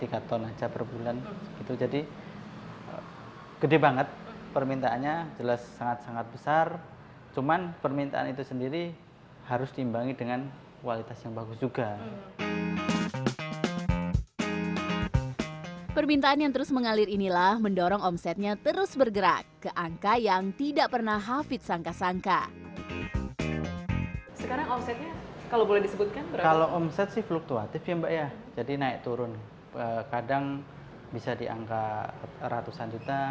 kalau untuk online sendiri biasanya kita via instagram atau via website